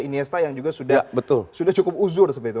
iniesta yang juga sudah cukup uzur seperti itu